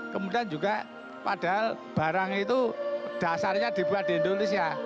kemudian juga padahal barang itu dasarnya dibuat di indonesia